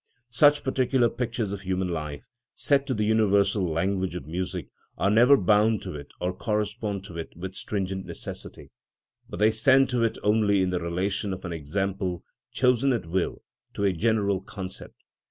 Such particular pictures of human life, set to the universal language of music, are never bound to it or correspond to it with stringent necessity; but they stand to it only in the relation of an example chosen at will to a general concept.